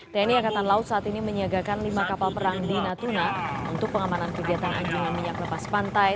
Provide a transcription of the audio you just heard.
tni angkatan laut saat ini menyiagakan lima kapal perang di natuna untuk pengamanan kegiatan anjungan minyak lepas pantai